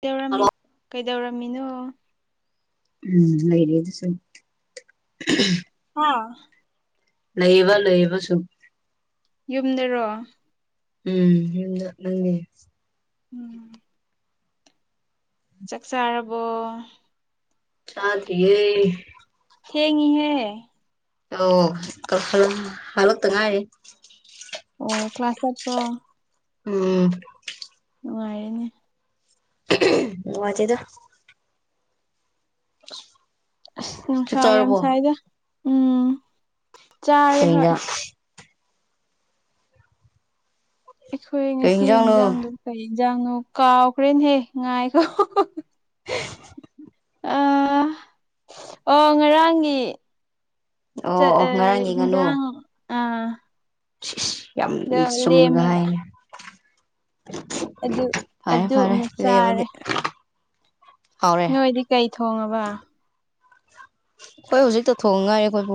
ꯀꯩꯗꯧꯔꯝꯃꯤ hello ꯀꯩꯗꯧꯔꯝꯃꯤꯅꯣ ꯎꯝ ꯂꯩꯔꯤ ꯑꯗꯨꯁꯨꯨꯝ ꯍꯥ ꯂꯩꯌꯦꯕ ꯂꯩꯌꯦꯕ ꯁꯨꯝ ꯌꯨꯝꯗꯔꯣ ꯎꯝ [unintelligible] ꯆꯥꯛ ꯆꯥꯥꯔꯕꯣ ꯆꯥꯗ꯭ꯔꯤꯌꯦ ꯊꯦꯡꯉꯤꯍꯦ ꯑꯣ [unintelligible] ꯍꯂꯛꯇ ꯉꯥꯏꯔꯤ ꯑꯣ ꯀ꯭ꯂꯥꯁ ꯆꯠꯄ꯭ꯔꯣ ꯎꯝ ꯅꯨꯡꯉꯥꯏꯅꯦ ꯅꯨꯉꯥꯏꯇꯦꯗ [inaudible] ꯑꯁ ꯆꯥꯛ ꯅꯨꯡꯁꯥ ꯌꯥꯝ ꯆꯥꯔꯕꯣ ꯁꯥꯏꯗ ꯎꯝ ꯆꯥꯔꯦ ꯀꯩ ꯍꯣꯏ ꯏꯟꯖꯥꯡ ꯑꯩꯈꯣꯏ ꯀꯩ ꯉꯁꯤ ꯏꯟꯖꯥꯡꯅꯣ ꯏꯟꯖꯥꯡꯗꯣ ꯀꯩ ꯌꯦꯟꯖꯥꯡꯅꯣ ꯀꯥꯎꯈ꯭ꯔꯦꯅꯍꯦ ꯉꯥꯏꯈꯣ [unintelligible] [inaudible] ꯑ ꯑꯣ ꯉꯔꯥꯡꯒꯤ ꯑꯣ ꯆ ꯑꯣ ꯑꯑꯦ ꯉꯔꯥꯡꯒꯤ ꯍꯤꯟꯖꯥꯡ ꯑ ꯏꯁ ꯏꯁ ꯌꯥꯝ ꯃꯆꯨꯝꯅꯒ ꯂꯦꯝꯃꯦꯕ ꯍꯥꯏꯅꯦ ꯑꯗꯨ ꯐꯔꯦ ꯑꯗꯨ ꯐꯔꯦ ꯑꯃꯨꯛ ꯆꯥꯔꯦ ꯂꯩꯕꯗꯤ ꯅꯣꯏꯗꯤ ꯀꯩ ꯊꯣꯡꯉꯕ ꯈꫭꯏ ꯍꯧꯖꯤꯛꯇ ꯊꯣꯡꯉꯥꯏꯔꯦ ꯑꯩꯈꯣꯏꯕꯨ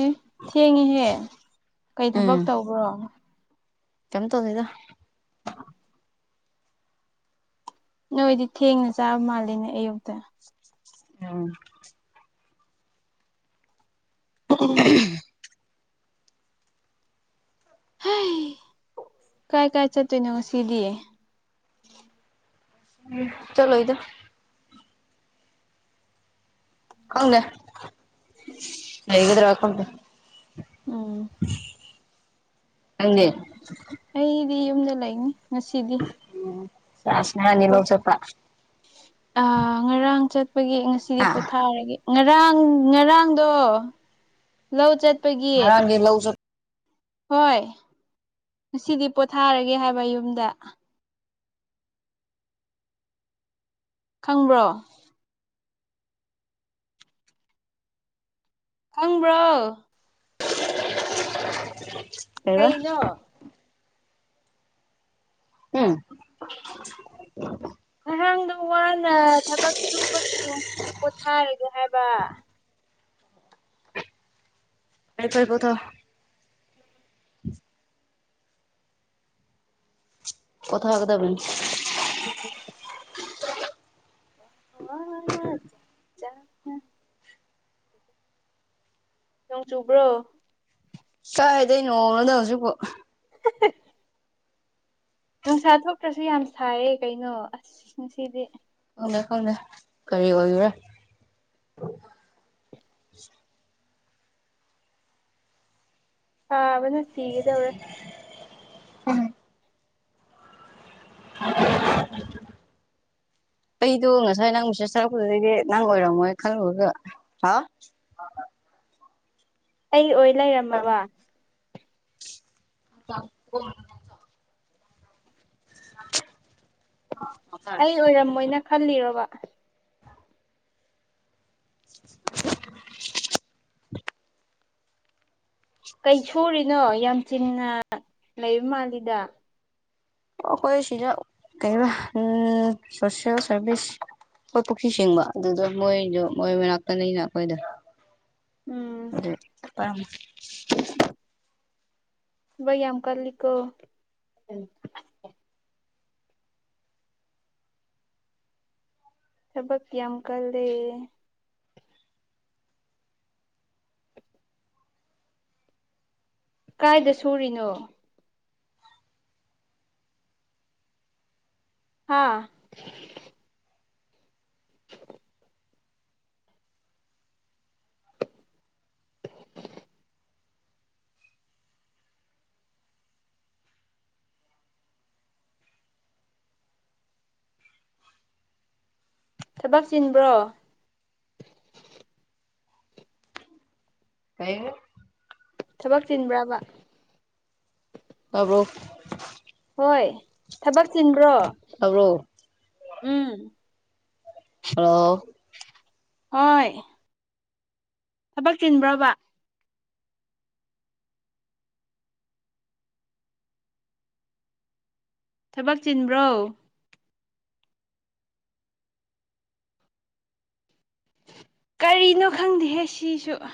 ꯑꯦ ꯊꯦꯡꯉꯤꯍꯦ ꯀꯩ ꯎꯝ ꯊꯕꯛ ꯇꯧꯕ꯭ꯔꯣ ꯀꯩꯝ ꯇꯧꯗꯦꯗ ꯅꯣꯏꯗꯤ ꯊꯦꯡꯅ ꯆꯥꯕ ꯃꯥꯜꯂꯦꯅꯦ ꯑꯌꯨꯛꯇ ꯎꯝ [inaudible] [unintelligible] ꯍ ꯀꯥꯏ ꯀꯥꯏ ꯆꯠꯇꯣꯏꯅꯣ ꯉꯁꯤꯗꯤꯌꯦ [unintelligible] ꯆꯂꯣꯏꯗ ꯍꯪ ꯍꯩꯒꯗ꯭ꯔꯦ ꯋꯥꯀꯇ ꯑꯣ [unintelligible] ꯅꯪꯗꯤ ꯑꯩꯗꯤ ꯌꯨꯝꯗ ꯂꯩꯅꯤ ꯉꯁꯤꯗꯤ ꯑꯁ ꯑꯉꯥꯡ ꯑꯅꯤ ꯂꯧ ꯆꯠꯄ ꯑ ꯉꯔꯥꯡ ꯆꯠꯄꯒꯤ ꯉꯁꯤꯗꯤ ꯍꯥ ꯄꯣꯊꯥꯔꯒꯦ ꯉꯔꯥꯡ ꯉꯔꯥꯡꯗꯣ ꯂꯧ ꯆꯠꯄꯒꯤ ꯉꯔꯥꯡꯗꯤ ꯂꯧ ꯆꯠ ꯍꯣꯏ ꯉꯁꯤꯗꯤ ꯄꯣꯊꯥꯔꯒꯦ ꯍꯥꯏꯕ ꯌꯨꯝꯗ ꯈꯪꯕ꯭ꯔꯣ ꯈꯪꯕ꯭ꯔꯣ ꯀꯩꯕ ꯀꯩꯩꯅꯣ ꯎꯝ ꯉꯔꯥꯡꯗꯣ ꯋꯥꯅ ꯊꯕꯛ ꯁꯨꯕꯒꯤ ꯉꯁꯤꯗꯤ ꯄꯣꯊꯥꯔꯒꯦ ꯍꯥꯏꯕ ꯍꯥꯏꯥꯏ ꯐꯥꯏ ꯀꯣꯊꯣ ꯀꯣꯊꯥ ꯍꯗꯕꯅꯤ [unintelligible] ꯍ ꯆ ꯆ ꯅꯣꯡ ꯆꯨꯕ꯭ꯔꯣ ꯀꯥꯏꯗꯩ ꯅꯣꯡ ꯅꯣꯗ ꯍꯧꯖꯤꯛꯄꯨ [unintelligible] ꯅꯨꯡꯁꯥ ꯊꯣꯛꯇ꯭ꯔꯁꯨ ꯌꯥꯝ ꯁꯥꯏꯌꯦ ꯀꯩꯅꯣ ꯑꯁ ꯅꯨꯡꯁꯤꯗꯤ ꯈꯪꯗꯦ ꯈꯪꯗꯦ ꯀꯔꯤ ꯑꯣꯏꯔꯤꯔ ꯍꯥꯕꯟ ꯁꯤꯒꯗꯕ꯭ꯔꯦ [unintelligible] ꯑꯩꯗꯣ ꯉꯁꯥꯏ ꯅꯪ ꯃꯦꯁꯦꯁ ꯊꯥꯔꯛꯄꯗꯨꯗꯩꯗꯤ ꯅꯪ ꯑꯣꯏꯔꯝꯃꯣꯏ ꯈꯜꯂꯨꯔꯒ ꯍꯥꯎ ꯑꯩ ꯑꯣꯏ ꯂꯩꯔꯝꯃꯕ [unintelligible] [unintelligible] ꯑꯩ ꯑꯣꯏꯔꯝꯃꯣꯏꯅ ꯈꯜꯂꯤꯣꯕꯥ [inaudible] ꯀꯩ ꯁꯨꯔꯤꯅꯣ ꯌꯥꯝ ꯆꯤꯟꯅ ꯂꯩꯕ ꯃꯥꯜꯂꯤꯗ ꯑꯈꯣꯏ ꯁꯤꯗ ꯀꯩꯔ ꯎꯝ ꯁꯣꯁꯦꯜ ꯁꯥꯔꯚꯤꯁ ꯑꯈꯣꯏ ꯄꯨꯈꯤ ꯁꯦꯡꯕ ꯑꯗꯨꯗꯣ ꯃꯣꯏꯗꯣ ꯃꯣꯏ ꯃꯅꯥꯛꯇꯅꯤꯅ ꯑꯈꯣꯏꯗꯣ ꯎꯝ ꯑꯗꯨꯄꯥꯝ ꯩ ꯌꯥꯝ ꯀꯜꯂꯤ ꯀ ꯊꯕꯛ ꯌꯥꯝ ꯀꯜꯂꯦ ꯀꯥꯏꯗ ꯁꯨꯔꯤꯅꯣ ꯍꯥꯥ ꯊꯕꯛ ꯆꯤꯟꯕ꯭ꯔꯣ ꯀꯩꯔ ꯊꯕꯛ ꯆꯤꯟꯕ꯭ꯔꯕ ꯇꯥꯕꯨꯣ ꯍꯣꯏ ꯊꯕꯛ ꯆꯤꯟꯕ꯭ꯔꯣ ꯍꯧꯔꯣ ꯎꯝ ꯍꯜꯂꯣ ꯍꯣꯏ ꯊꯕꯛ ꯆꯤꯟꯕ꯭ꯔꯕ ꯊꯕꯛ ꯆꯤꯟꯕ꯭ꯔꯣ ꯀꯩꯅꯣ ꯈꯪꯗꯦꯍꯦ ꯁꯤꯁꯨ